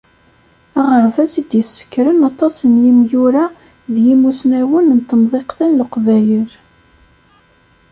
Aɣebaz i d-yesekkren aṭas n yimyura d yimussnawen n temḍiqt-a n Leqbayen.